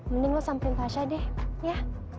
mending lo samping tasha deh ya